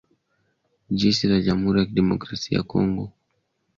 jeshi la jamhuri ya kidemokrasia ya Kongo kwa waandishi wa habari